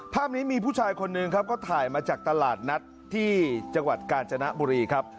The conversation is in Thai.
ภาพนี้มีผู้ชายคนหนึ่งครับเขาถ่ายมาจากตลาดนัดที่จังหวัดกาญจนบุรีครับ